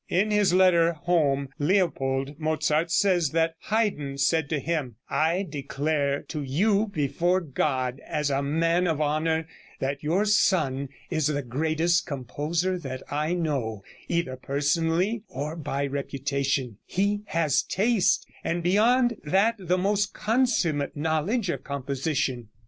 In his letter home, Leopold Mozart says that Haydn said to him: "I declare to you, before God, as a man of honor, that your son is the greatest composer that I know, either personally or by reputation; he has taste, and beyond that the most consummate knowledge of composition."